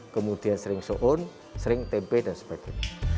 kemudian sering soun sering tempe dan sebagainya